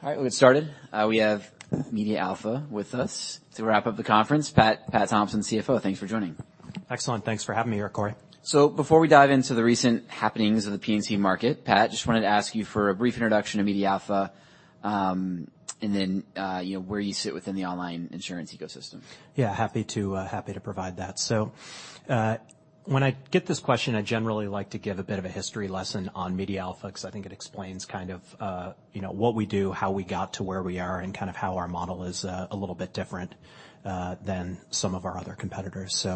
All right, we'll get started. We have MediaAlpha with us to wrap up the conference. Pat Thompson, CFO. Thanks for joining. Excellent. Thanks for having me here, Corey. Before we dive into the recent happenings of the P&C market, Pat, just wanted to ask you for a brief introduction to MediaAlpha, and then, you know, where you sit within the online insurance ecosystem. Yeah, happy to, happy to provide that. When I get this question, I generally like to give a bit of a history lesson on MediaAlpha, 'cause I think it explains kind of, you know, what we do, how we got to where we are, and kind of how our model is a little bit different than some of our other competitors.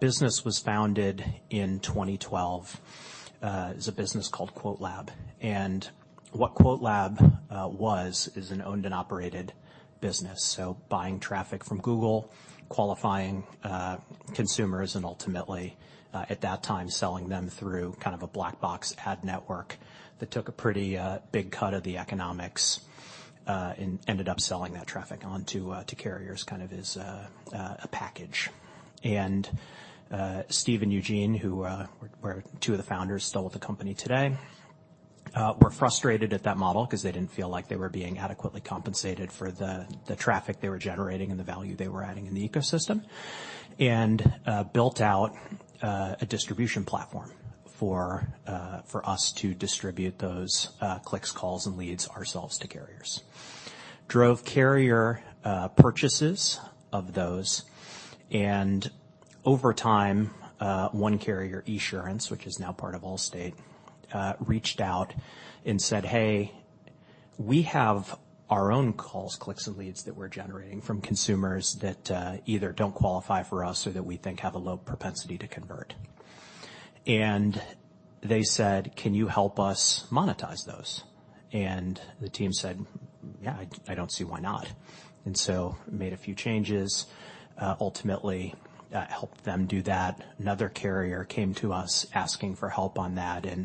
Business was founded in 2012, as a business called QuoteLab. What QuoteLab was, is an owned and operated business. Buying traffic from Google, qualifying consumers and ultimately, at that time, selling them through kind of a black box ad network that took a pretty big cut of the economics, and ended up selling that traffic on to carriers kind of as a package. Steve and Eugene, who were two of the founders still with the company today, were frustrated at that model 'cause they didn't feel like they were being adequately compensated for the traffic they were generating and the value they were adding in the ecosystem, built out a distribution platform for us to distribute those clicks, calls, and leads ourselves to carriers. Drove carrier purchases of those. Over time, one carrier, Esurance, which is now part of Allstate, reached out and said, "Hey, we have our own calls, clicks, and leads that we're generating from consumers that either don't qualify for us or that we think have a low propensity to convert." They said, "Can you help us monetize those?" The team said, "Yeah, I don't see why not." Made a few changes, ultimately helped them do that. Another carrier came to us asking for help on that. You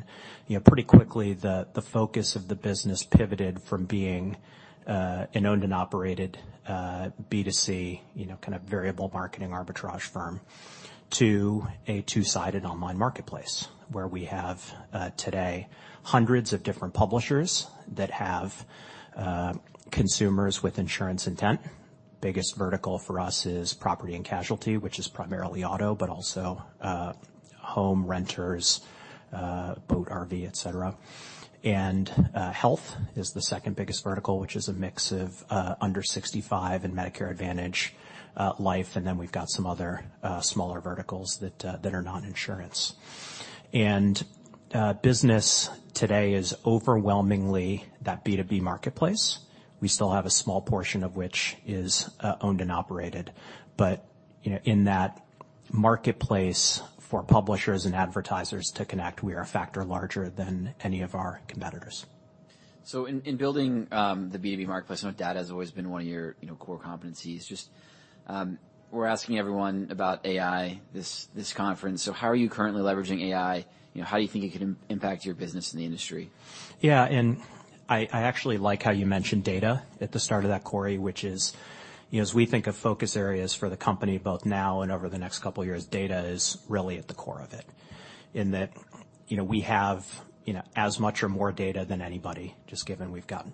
know, pretty quickly, the focus of the business pivoted from being an owned and operated B2C, you know, kind of variable marketing arbitrage firm to a two-sided online marketplace, where we have today hundreds of different publishers that have consumers with insurance intent. Biggest vertical for us is property and casualty, which is primarily auto, but also, home renters, boat, RV, et cetera. Health is the second biggest vertical, which is a mix of under 65 and Medicare Advantage, life, and then we've got some other smaller verticals that are non-insurance. Business today is overwhelmingly that B2B marketplace. We still have a small portion of which is owned and operated, but, you know, in that marketplace for publishers and advertisers to connect, we are a factor larger than any of our competitors. In building the B2B marketplace, I know data has always been one of your, you know, core competencies. Just, we're asking everyone about AI this conference. How are you currently leveraging AI? You know, how do you think it can impact your business in the industry? Yeah. I actually like how you mentioned data at the start of that, Corey, which is, you know, as we think of focus areas for the company, both now and over the next couple of years, data is really at the core of it. In that, you know, we have, you know, as much or more data than anybody, just given we've got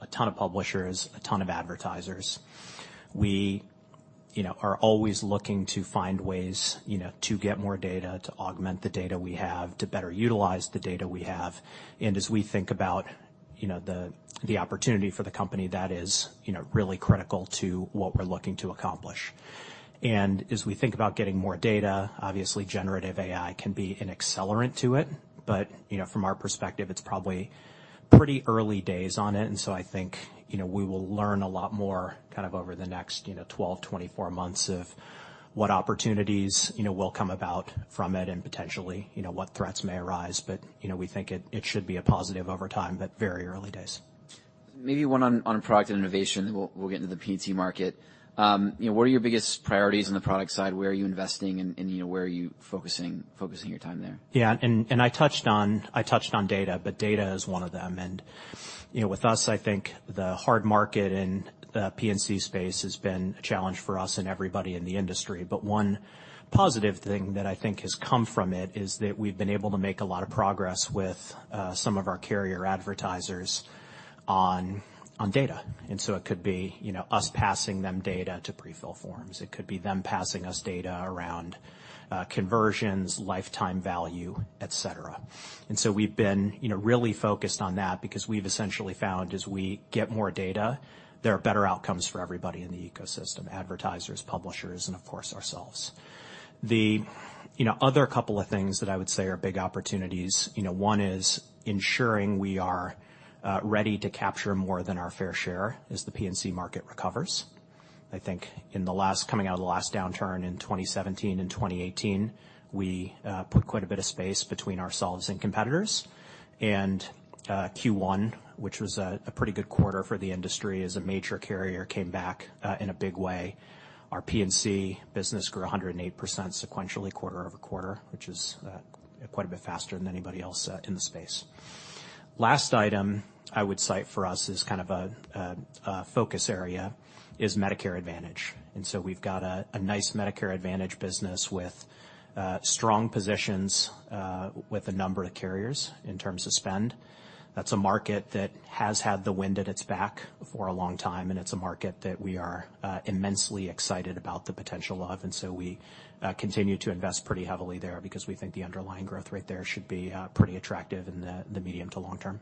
a ton of publishers, a ton of advertisers. We, you know, are always looking to find ways, you know, to get more data, to augment the data we have, to better utilize the data we have. As we think about, you know, the opportunity for the company, that is, you know, really critical to what we're looking to accomplish. As we think about getting more data, obviously generative AI can be an accelerant to it, but, you know, from our perspective, it's probably pretty early days on it. I think, you know, we will learn a lot more kind of over the next, you know, 12, 24 months of what opportunities, you know, will come about from it and potentially, you know, what threats may arise. We think it should be a positive over time, but very early days. Maybe one on product and innovation, then we'll get into the P&C market. You know, what are your biggest priorities on the product side? Where are you investing and, you know, where are you focusing your time there? Yeah. I touched on, I touched on data, but data is one of them. You know, with us, I think the hard market and the P&C space has been a challenge for us and everybody in the industry. One positive thing that I think has come from it is that we've been able to make a lot of progress with some of our carrier advertisers on data. It could be, you know, us passing them data to prefill forms. It could be them passing us data around, conversions, lifetime value, et cetera. We've been, you know, really focused on that because we've essentially found as we get more data, there are better outcomes for everybody in the ecosystem, advertisers, publishers, and of course, ourselves. The, you know, other couple of things that I would say are big opportunities, you know, one is ensuring we are ready to capture more than our fair share as the P&C market recovers. I think coming out of the last downturn in 2017 and 2018, we put quite a bit of space between ourselves and competitors. Q1, which was a pretty good quarter for the industry as a major carrier, came back in a big way. Our P&C business grew 108% sequentially quarter-over-quarter, which is quite a bit faster than anybody else in the space. Last item I would cite for us is kind of a focus area is Medicare Advantage. We've got a nice Medicare Advantage business with strong positions with a number of carriers in terms of spend. That's a market that has had the wind at its back for a long time, and it's a market that we are immensely excited about the potential of. We continue to invest pretty heavily there because we think the underlying growth rate there should be pretty attractive in the medium to long term.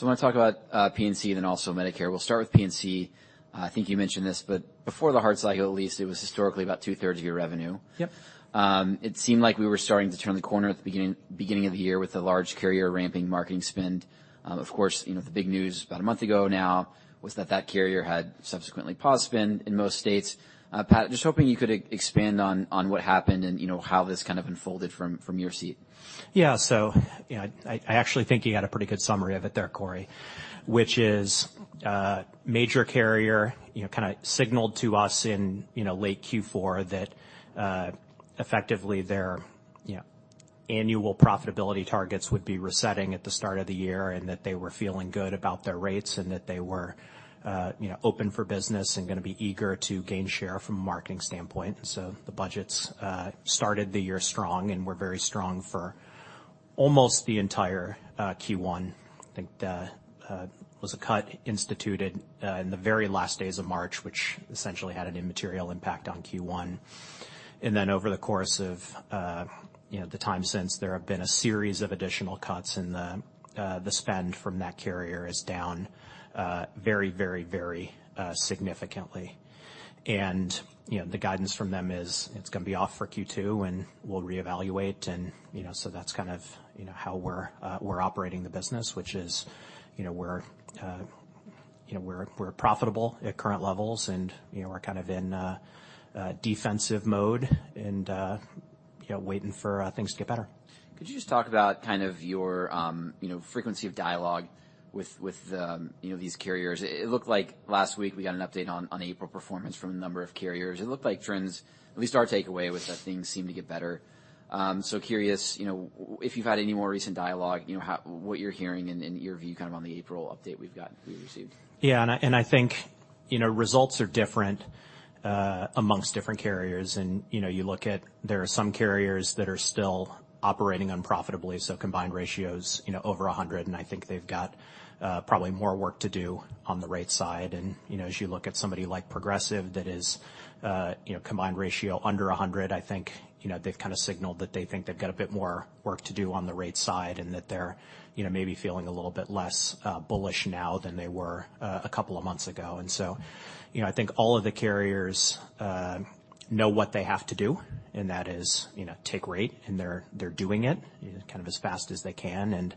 I wanna talk about P&C, also Medicare. We'll start with P&C. I think you mentioned this, before the hard cycle, at least, it was historically about two-thirds of your revenue. Yep. It seemed like we were starting to turn the corner at the beginning of the year with a large carrier ramping marketing spend. Of course, you know, the big news about a month ago now was that that carrier had subsequently paused spend in most states. Pat, just hoping you could expand on what happened and, you know, how this kind of unfolded from your seat. Yeah. You know, I actually think you had a pretty good summary of it there, Corey, which is, major carrier, you know, kinda signaled to us in, you know, late Q4 that, effectively their, you know, annual profitability targets would be resetting at the start of the year, and that they were feeling good about their rates and that they were, you know, open for business and gonna be eager to gain share from a marketing standpoint. The budgets started the year strong and were very strong for almost the entire Q1. I think the was a cut instituted in the very last days of March, which essentially had an immaterial impact on Q1. Then over the course of, you know, the time since, there have been a series of additional cuts, and the spend from that carrier is down very, very, very significantly. You know, the guidance from them is, it's gonna be off for Q2, and we'll reevaluate and, you know, so that's kind of, you know, how we're operating the business, which is, you know, we're, you know, we're profitable at current levels and, you know, we're kind of in defensive mode and, you know, waiting for things to get better. Could you just talk about kind of your, you know, frequency of dialogue with the, you know, these carriers? It looked like last week we got an update on April performance from a number of carriers. It looked like trends, at least our takeaway, was that things seem to get better. Curious, you know, if you've had any more recent dialogue, you know, how... what you're hearing and your view kind of on the April update we've received? Yeah. I think, you know, results are different amongst different carriers. You know, you look at there are some carriers that are still operating unprofitably, so combined ratios, you know, over 100. I think they've got probably more work to do on the rate side. You know, as you look at somebody like Progressive that is, you know, combined ratio under 100, I think, you know, they've kinda signaled that they think they've got a bit more work to do on the rate side and that they're, you know, maybe feeling a little bit less bullish now than they were a couple of months ago. You know, I think all of the carriers know what they have to do, and that is, you know, take rate, and they're doing it kind of as fast as they can.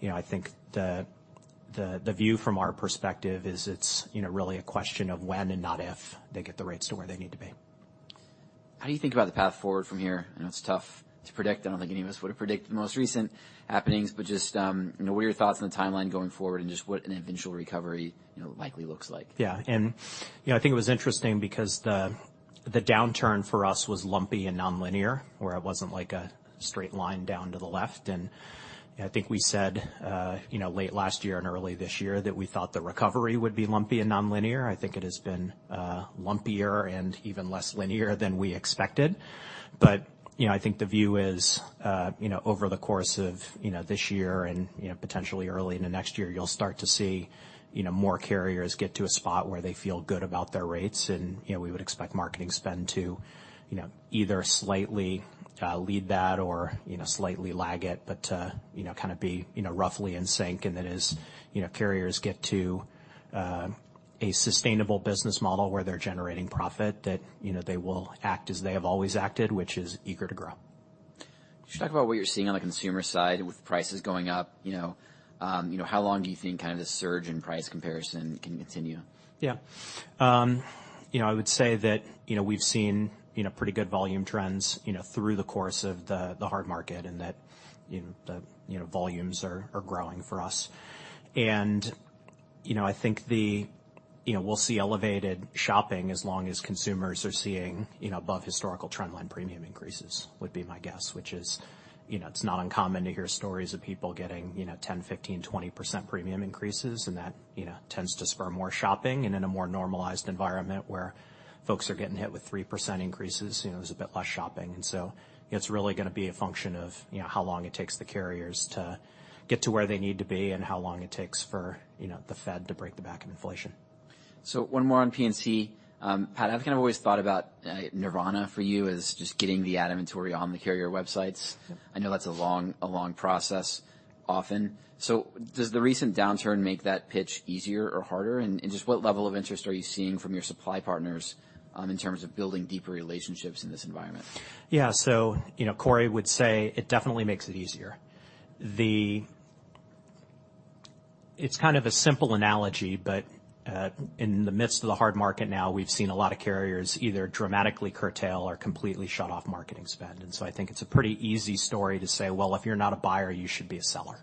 You know, I think the, the view from our perspective is it's, you know, really a question of when and not if they get the rates to where they need to be. How do you think about the path forward from here? I know it's tough to predict. I don't think any of us would have predicted the most recent happenings, but just, you know, what are your thoughts on the timeline going forward and just what an eventual recovery, you know, likely looks like? Yeah. You know, I think it was interesting because the downturn for us was lumpy and nonlinear, where it wasn't like a straight line down to the left. I think we said, you know, late last year and early this year that we thought the recovery would be lumpy and nonlinear. I think it has been lumpier and even less linear than we expected. You know, I think the view is, you know, over the course of, you know, this year and, you know, potentially early into next year, you'll start to see, you know, more carriers get to a spot where they feel good about their rates. You know, we would expect marketing spend to, you know, either slightly lead that or, you know, slightly lag it, but to, you know, kind of be, you know, roughly in sync. As, you know, carriers get to a sustainable business model where they're generating profit, that, you know, they will act as they have always acted, which is eager to grow. Could you talk about what you're seeing on the consumer side with prices going up, you know? You know, how long do you think kind of this surge in price comparison can continue? Yeah. You know, I would say that, you know, we've seen, you know, pretty good volume trends, you know, through the course of the hard market and that, you know, the, you know, volumes are growing for us. You know, I think, you know, we'll see elevated shopping as long as consumers are seeing, you know, above historical trendline premium increases, would be my guess, which is. You know, it's not uncommon to hear stories of people getting, you know, 10%, 15%, 20% premium increases, and that, you know, tends to spur more shopping. In a more normalized environment where folks are getting hit with 3% increases, you know, there's a bit less shopping. it's really gonna be a function of, you know, how long it takes the carriers to get to where they need to be and how long it takes for, you know, the Fed to break the back of inflation. One more on P&C. Pat, I've kind of always thought about nirvana for you as just getting the ad inventory on the carrier websites. Yep. I know that's a long, a long process often. Does the recent downturn make that pitch easier or harder? Just what level of interest are you seeing from your supply partners in terms of building deeper relationships in this environment? you know, Corey would say it definitely makes it easier. It's kind of a simple analogy, but in the midst of the hard market now, we've seen a lot of carriers either dramatically curtail or completely shut off marketing spend. I think it's a pretty easy story to say, "Well, if you're not a buyer, you should be a seller."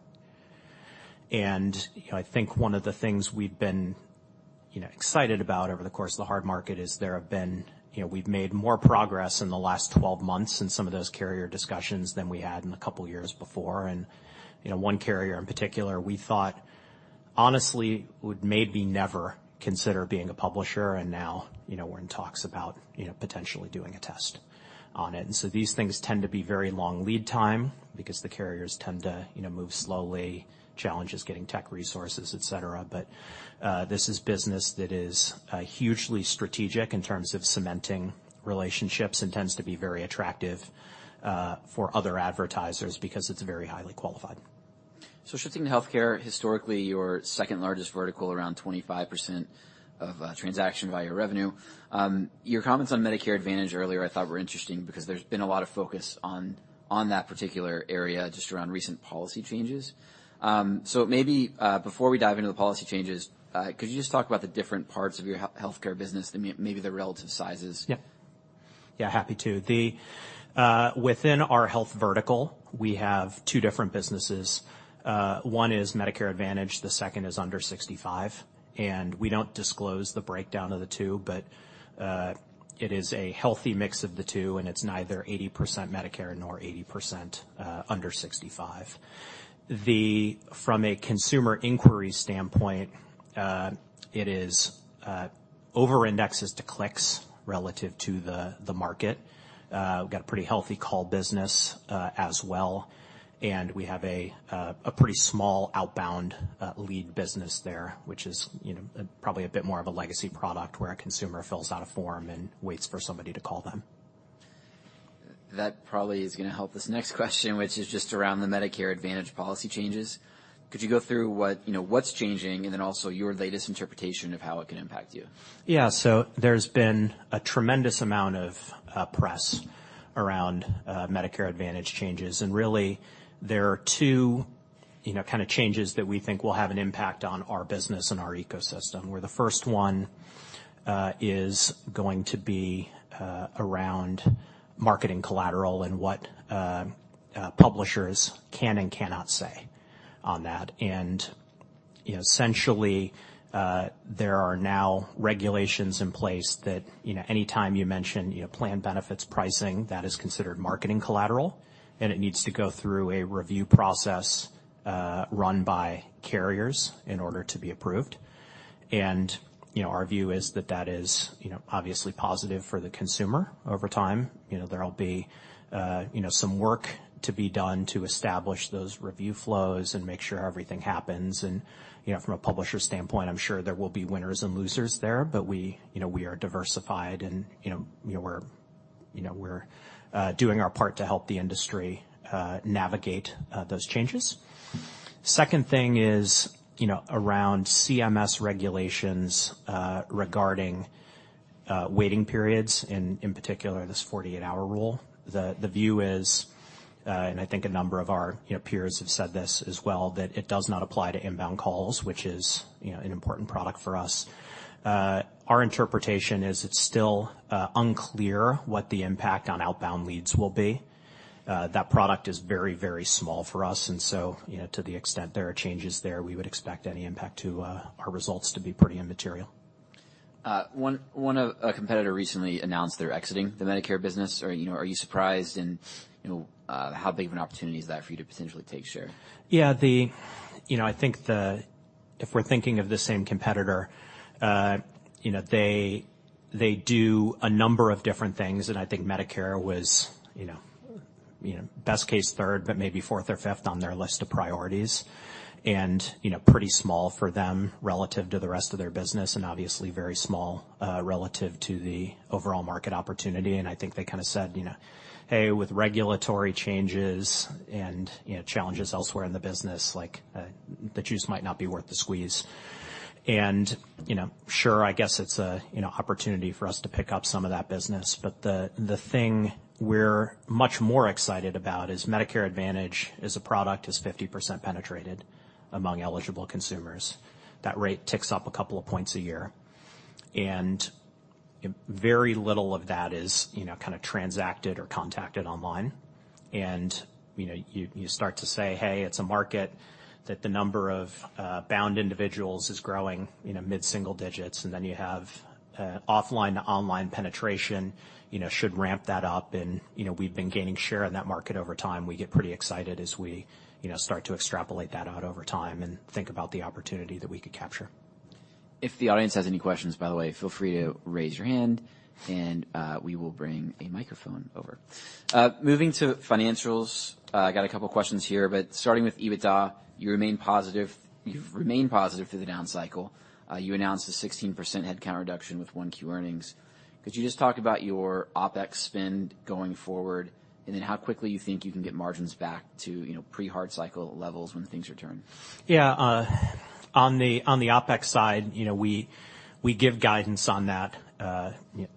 you know, I think one of the things we've been, you know, excited about over the course of the hard market is you know, we've made more progress in the last 12 months in some of those carrier discussions than we had in the couple years before. you know, one carrier in particular, we thought honestly would maybe never consider being a publisher, and now, you know, we're in talks about, you know, potentially doing a test on it. These things tend to be very long lead time because the carriers tend to, you know, move slowly, challenges getting tech resources, et cetera. This is business that is hugely strategic in terms of cementing relationships and tends to be very attractive for other advertisers because it's very highly qualified. Shifting to healthcare, historically, your second-largest vertical, around 25% of transaction via revenue. Your comments on Medicare Advantage earlier I thought were interesting because there's been a lot of focus on that particular area just around recent policy changes. Maybe, before we dive into the policy changes, could you just talk about the different parts of your healthcare business and maybe the relative sizes? Yeah. Yeah, happy to. Within our health vertical, we have two different businesses. One is Medicare Advantage, the second is under 65, and we don't disclose the breakdown of the two, but it is a healthy mix of the two, and it's neither 80% Medicare nor 80% under 65. From a consumer inquiry standpoint, it is over-indexes to clicks relative to the market. We've got a pretty healthy call business as well, and we have a pretty small outbound lead business there, which is, you know, probably a bit more of a legacy product where a consumer fills out a form and waits for somebody to call them. That probably is gonna help this next question, which is just around the Medicare Advantage policy changes. Could you go through what, you know, what's changing and then also your latest interpretation of how it can impact you? Yeah. There's been a tremendous amount of press around Medicare Advantage changes. There are two, you know, kind of changes that we think will have an impact on our business and our ecosystem. Where the first one is going to be around marketing collateral and what publishers can and cannot say on that. Essentially, there are now regulations in place that, you know, any time you mention, you know, plan benefits pricing, that is considered marketing collateral, and it needs to go through a review process run by carriers in order to be approved. Our view is that that is, you know, obviously positive for the consumer over time. You know, there'll be, you know, some work to be done to establish those review flows and make sure everything happens. You know, from a publisher standpoint, I'm sure there will be winners and losers there, but we are diversified and we're doing our part to help the industry navigate those changes. Second thing is, you know, around CMS regulations regarding waiting periods, in particular, this 48-hour rule. The view is, and I think a number of our, you know, peers have said this as well, that it does not apply to inbound calls, which is, you know, an important product for us. Our interpretation is it's still unclear what the impact on outbound leads will be. That product is very, very small for us, and so, you know, to the extent there are changes there, we would expect any impact to our results to be pretty immaterial. A competitor recently announced they're exiting the Medicare business. Are, you know, are you surprised? You know, how big of an opportunity is that for you to potentially take share? Yeah. You know, if we're thinking of the same competitor, you know, they do a number of different things, and I think Medicare was, you know, best case third but maybe fourth or fifth on their list of priorities and, you know, pretty small for them relative to the rest of their business and obviously very small relative to the overall market opportunity. I think they kind of said, you know, "Hey, with regulatory changes and, you know, challenges elsewhere in the business, like, the juice might not be worth the squeeze." You know, sure, I guess it's a, you know, opportunity for us to pick up some of that business. The thing we're much more excited about is Medicare Advantage as a product is 50% penetrated among eligible consumers. That rate ticks up a couple of points a year. Very little of that is, you know, kind of transacted or contacted online. You, you start to say, "Hey, it's a market that the number of bound individuals is growing, you know, mid-single digits." You have offline to online penetration, you know, should ramp that up. We've been gaining share in that market over time. We get pretty excited as we, you know, start to extrapolate that out over time and think about the opportunity that we could capture. If the audience has any questions, by the way, feel free to raise your hand, and we will bring a microphone over. Moving to financials, I got a couple questions here, starting with EBITDA, you remain positive. You've remained positive through the down cycle. You announced a 16% headcount reduction with Q1 earnings. Could you just talk about your OpEx spend going forward then how quickly you think you can get margins back to, you know, pre-hard cycle levels when things return? Yeah. On the OpEx side, you know, we give guidance on that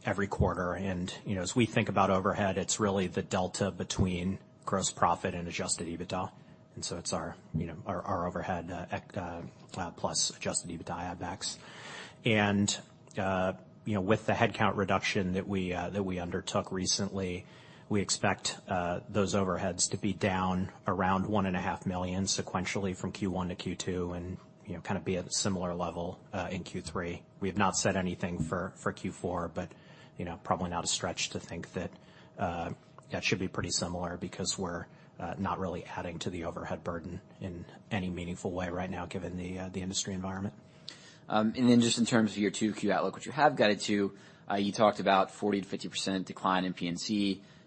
every quarter. You know, as we think about overhead, it's really the delta between gross profit and Adjusted EBITDA, and so it's our, you know, our overhead plus Adjusted EBITDA OpEx. You know, with the headcount reduction that we undertook recently, we expect those overheads to be down around $1.5 million sequentially from Q1 to Q2 and, you know, kind of be at a similar level in Q3. We have not said anything for Q4, but, you know, probably not a stretch to think that should be pretty similar because we're not really adding to the overhead burden in any meaningful way right now given the industry environment. Then just in terms of your Q2 outlook, which you have guided to, you talked about 40%-50% decline in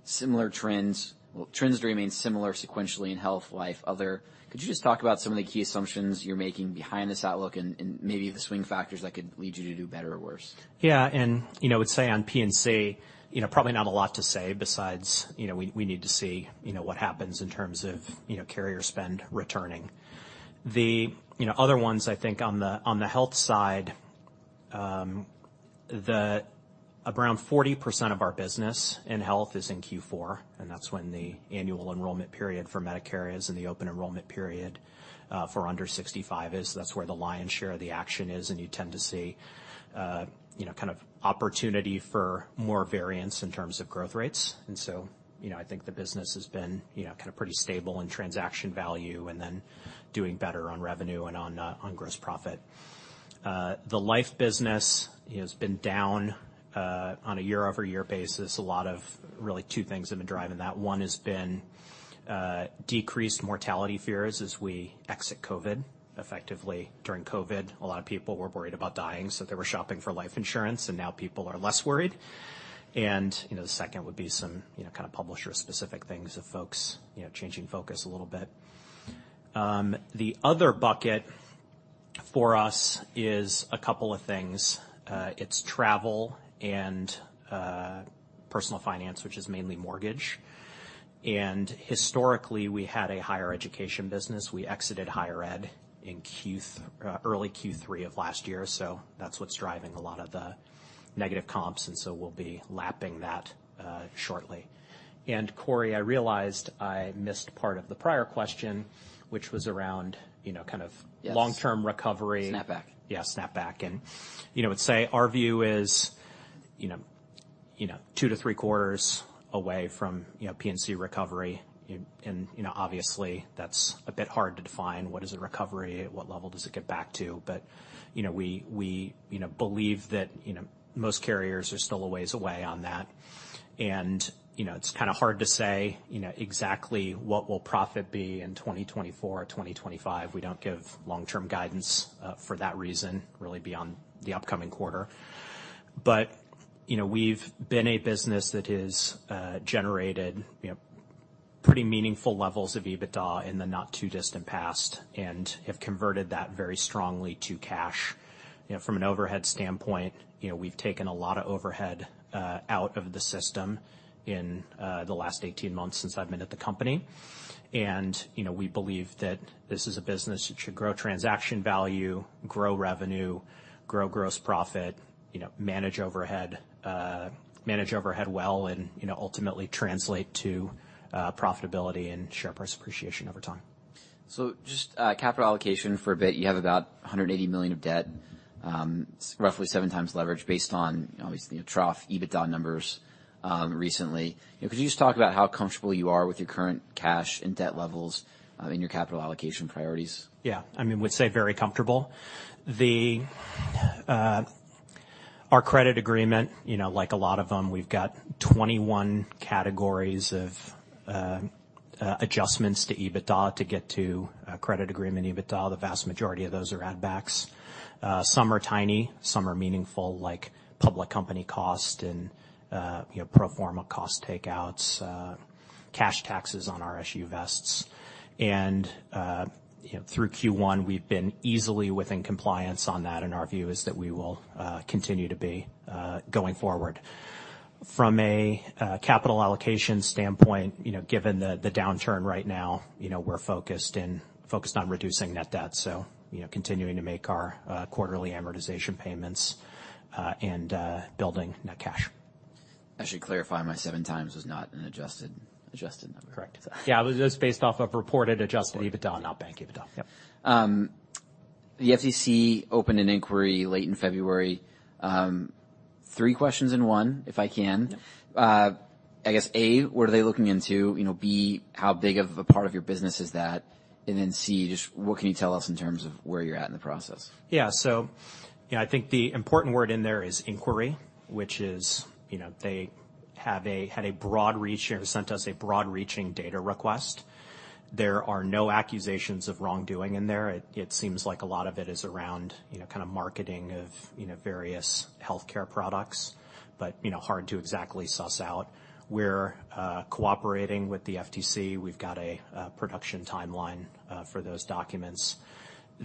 P&C. Trends remain similar sequentially in health, life, other. Could you just talk about some of the key assumptions you're making behind this outlook and maybe the swing factors that could lead you to do better or worse? Yeah. you know, I would say on P&C, you know, probably not a lot to say besides, you know, we need to see, you know, what happens in terms of, you know, carrier spend returning. you know, other ones I think on the, on the health side, around 40% of our business in health is in Q4, and that's when the Annual Enrollment Period for Medicare is, and the Open Enrollment Period for under 65 is. That's where the lion's share of the action is, and you tend to see, you know, kind of opportunity for more variance in terms of growth rates. you know, I think the business has been, you know, kind of pretty stable in Transaction Value and then doing better on revenue and on gross profit. The life business has been down on a year-over-year basis. Really two things have been driving that. One has been decreased mortality fears as we exit COVID. Effectively, during COVID, a lot of people were worried about dying, so they were shopping for life insurance, and now people are less worried. The second would be some, you know, kind of publisher specific things of folks, you know, changing focus a little bit. The other bucket for us is a couple of things. It's travel and personal finance, which is mainly mortgage. Historically, we had a higher education business. We exited higher ed in early Q3 of last year, so that's what's driving a lot of the negative comps, so we'll be lapping that shortly. Corey, I realized I missed part of the prior question, which was around, you know, kind of... Yes. long-term recovery. Snapback. Yeah, snapback. You know, I'd say our view is, you know, two to three quarters away from, you know, P&C recovery. You know, obviously that's a bit hard to define what is a recovery, what level does it get back to. You know, we, you know, believe that, you know, most carriers are still a ways away on that. You know, it's kinda hard to say, you know, exactly what will profit be in 2024 or 2025. We don't give long-term guidance for that reason, really beyond the upcoming quarter. You know, we've been a business that has generated, you know, pretty meaningful levels of EBITDA in the not too distant past and have converted that very strongly to cash. You know, from an overhead standpoint, you know, we've taken a lot of overhead out of the system in the last 18 months since I've been at the company. You know, we believe that this is a business which should grow Transaction Value, grow revenue, grow gross profit, you know, manage overhead, manage overhead well, and, you know, ultimately translate to profitability and share price appreciation over time. Just capital allocation for a bit. You have about $180 million of debt, roughly 7x leverage based on obviously the trough EBITDA numbers, recently. You know, could you just talk about how comfortable you are with your current cash and debt levels, in your capital allocation priorities? Yeah. I mean, we'd say very comfortable. The, our credit agreement, you know, like a lot of them, we've got 21 categories of adjustments to EBITDA to get to a credit agreement EBITDA. The vast majority of those are add backs. Some are tiny, some are meaningful, like public company cost and, you know, pro forma cost takeouts, cash taxes on our SU vests. Through Q1, we've been easily within compliance on that, and our view is that we will continue to be going forward. From a capital allocation standpoint, you know, given the downturn right now, you know, we're focused on reducing net debt, so, you know, continuing to make our quarterly amortization payments and building net cash. I should clarify, my 7x was not an adjusted number. Correct. Yeah, it was just based off of reported Adjusted EBITDA, not Bank EBITDA. The FCC opened an inquiry late in February. Three questions in one, if I can. Yep. I guess, A, what are they looking into? You know, B, how big of a part of your business is that? C, just what can you tell us in terms of where you're at in the process? You know, I think the important word in there is inquiry, which is, you know, they sent us a broad-reaching data request. There are no accusations of wrongdoing in there. It, it seems like a lot of it is around, you know, kind of marketing of, you know, various healthcare products, you know, hard to exactly suss out. We're cooperating with the FTC. We've got a production timeline for those documents.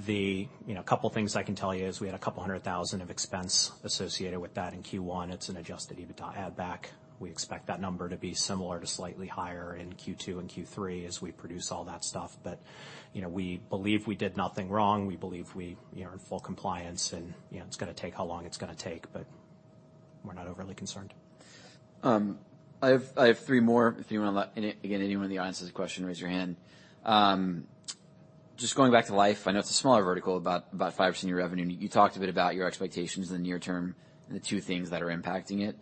You know, couple things I can tell you is we had $200,000 of expense associated with that in Q1. It's an Adjusted EBITDA add back. We expect that number to be similar to slightly higher in Q2 and Q3 as we produce all that stuff. You know, we believe we did nothing wrong. We believe we, you know, are in full compliance and, you know, it's gonna take how long it's gonna take, but we're not overly concerned. I have three more if you wanna let anyone in the audience has a question, raise your hand. Just going back to life, I know it's a smaller vertical, about 5% of your revenue. You talked a bit about your expectations in the near term and the two things that are impacting it.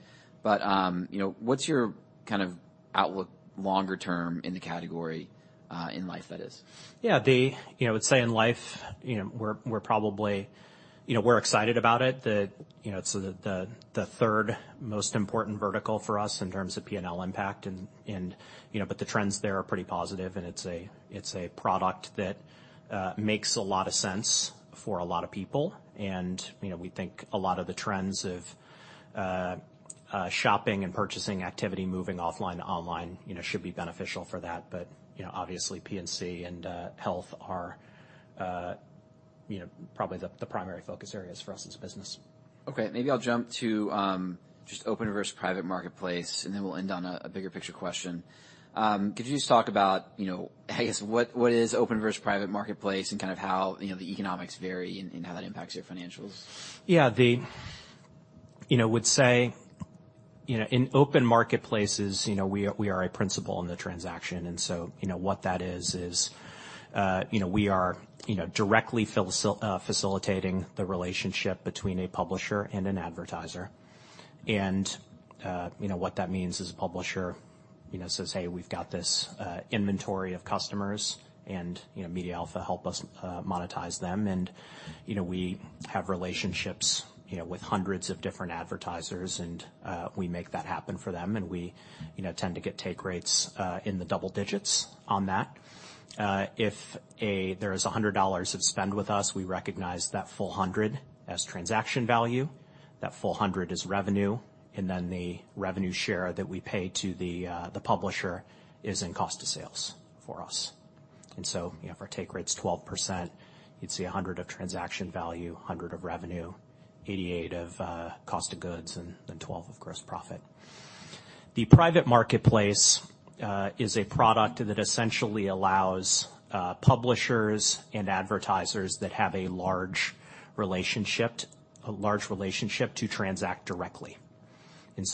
You know, what's your kind of outlook longer term in the category, in life, that is? Yeah. You know, I would say in life, you know, we're probably, you know, we're excited about it. You know, it's the 3rd most important vertical for us in terms of P&L impact and, you know, the trends there are pretty positive and it's a product that makes a lot of sense for a lot of people. You know, we think a lot of the trends of shopping and purchasing activity moving offline to online, you know, should be beneficial for that. You know, obviously P&C and health are, you know, probably the primary focus areas for us as a business. Okay. Maybe I'll jump to, just open versus private marketplace, and then we'll end on a bigger picture question. Could you just talk about, you know, I guess, what is open versus private marketplace and kind of how, you know, the economics vary and how that impacts your financials? Yeah. You know, I would say, you know, in open marketplaces, you know, we are a principal in the transaction. You know, what that is, you know, we are, you know, directly facilitating the relationship between a publisher and an advertiser. You know, what that means is a publisher, you know, says, "Hey, we've got this inventory of customers and, you know, MediaAlpha help us monetize them." You know, we have relationships, you know, with hundreds of different advertisers and we make that happen for them. We, you know, tend to get take rates in the double digits on that. If there is $100 of spend with us, we recognize that full $100 as Transaction Value. That full $100 is revenue, then the revenue share that we pay to the publisher is in cost of sales for us. You know, if our take rate's 12%, you'd see $100 of Transaction Value, $100 of revenue, $88 of cost of goods, then $12 of gross profit. The private marketplace is a product that essentially allows publishers and advertisers that have a large relationship to transact directly.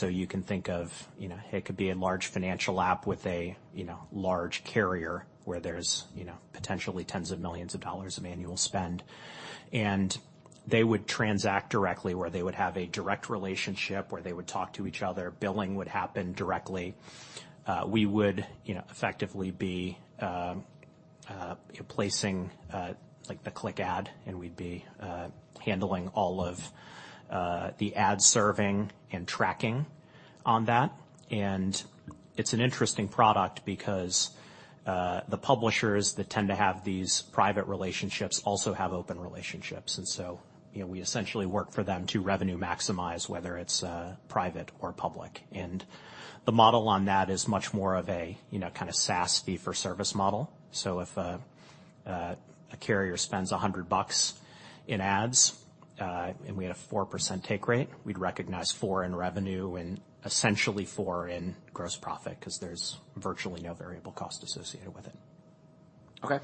You can think of, you know, it could be a large financial app with a, you know, large carrier where there's, you know, potentially tens of millions of dollars of annual spend. They would transact directly where they would have a direct relationship, where they would talk to each other. Billing would happen directly. ow, effectively be placing like a click ad, and we'd be handling all of the ad serving and tracking on that. It's an interesting product because the publishers that tend to have these private relationships also have open relationships. So, you know, we essentially work for them to revenue maximize whether it's private or public. The model on that is much more of a, you know, kind of SaaS fee for service model. So if a carrier spends $100 bucks in ads, and we had a 4% take rate, we'd recognize $4 in revenue and essentially $4 in gross profit, 'cause there's virtually no variable cost associated with it. Okay.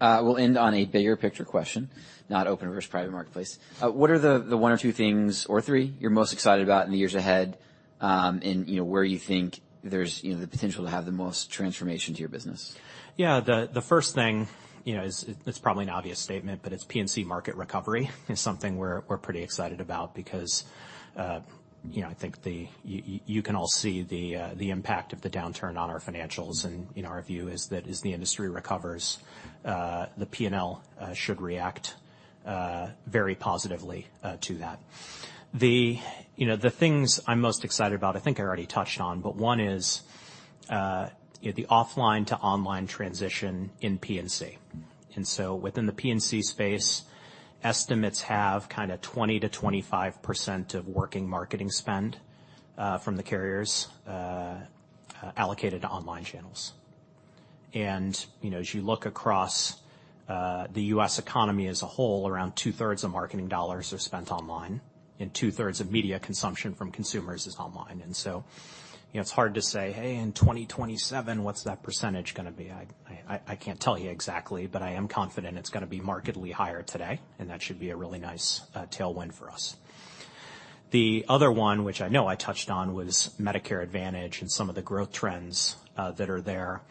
We'll end on a bigger picture question, not open versus private marketplace. What are the one or two things or three you're most excited about in the years ahead, and you know, where you think there's, you know, the potential to have the most transformation to your business? Yeah. The first thing, you know, is. It's probably an obvious statement, but it's P&C market recovery is something we're pretty excited about because, you know, I think the. You can all see the impact of the downturn on our financials. You know, our view is that as the industry recovers, the P&L should react very positively to that. The, you know, the things I'm most excited about, I think I already touched on, but one is the offline to online transition in P&C. Within the P&C space, estimates have kinda 20%-25% of working marketing spend from the carriers allocated to online channels. You know, as you look across the US economy as a whole, around 2/3 of marketing dollars are spent online, and 2/3 of media consumption from consumers is online. You know, it's hard to say, "Hey, in 2027, what's that percentage gonna be?" I can't tell you exactly, but I am confident it's gonna be markedly higher today, and that should be a really nice tailwind for us. The other one, which I know I touched on, was Medicare Advantage and some of the growth trends that are there.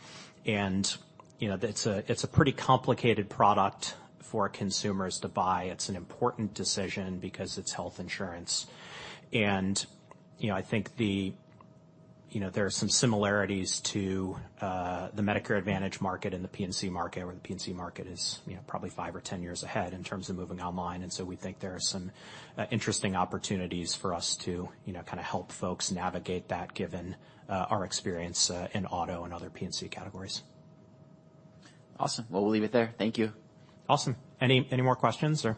You know, it's a, it's a pretty complicated product for consumers to buy. It's an important decision because it's health insurance. You know, I think the... You know, there are some similarities to the Medicare Advantage market and the P&C market, where the P&C market is, you know, probably five or 10 years ahead in terms of moving online. We think there are some interesting opportunities for us to, you know, kinda help folks navigate that given our experience in auto and other P&C categories. Awesome. Well, we'll leave it there. Thank you. Awesome. Any more questions or...?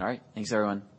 All right. Thanks, everyone.